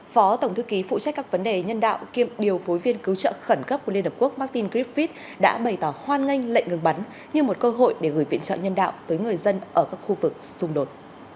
phó tổng thư ký phụ trách các vấn đề nhân đạo kiêm điều phối viên cứu trợ khẩn cấp của liên hợp quốc martin griffith đã bày tỏ hoan nghênh lệnh ngừng bắn như một cơ hội để gửi viện trợ nhân đạo tới người dân ở các khu vực xung đột